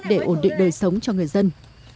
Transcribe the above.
để ổn định đời sống cho người dân